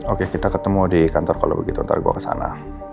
oke kita ketemu di kantor kalau begitu nanti gue ke sana